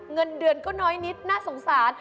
เงินเดือนก็น้อยนิดน่าสงสาร